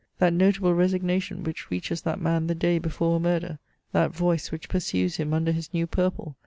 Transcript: that notahle resignation which reaches that man the day hefore a murder ! that voice which pursues him under his new purple